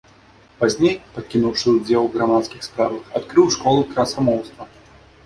Пазней, пакінуўшы ўдзел у грамадскіх справах, адкрыў школу красамоўства.